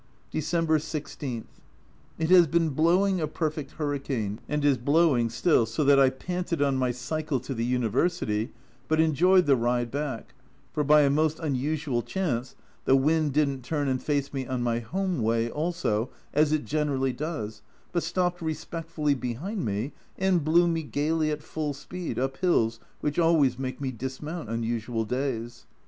December 16. It has been blowing a perfect hurricane, and is blowing still, so that I panted on my cycle to the University, but enjoyed the ride back, for by a most unusual chance the wind didn't turn and face me on my home way also, as it generally does, but stopped respectfully behind me and blew me gaily at full speed up hills which always make me dismount on usual days.